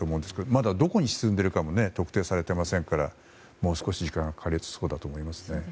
まだどこに沈んでいるかも特定されていませんからもう少し時間がかかりそうですね。